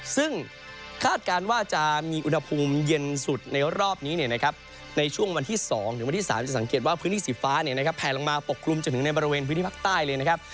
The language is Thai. ซึ่งคาดการณ์ว่าจะมีอุณหภูมิเย็นสุดในรอบนี้ในช่วงวันที่๒ถึงวันที่๓จะสังเกตว่าพื้นที่สีฟ้าแผลลงมาปกคลุมจนถึงในบริเวณพื้นที่ภาคใต้เลยนะครับ